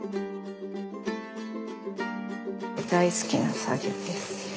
大好きな作業です。